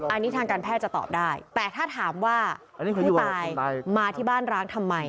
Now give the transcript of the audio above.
อันนี้ทางการแพทย์จะตอบได้แต่ถ้าถามว่าผู้ตายมาที่บ้านร้างทำไม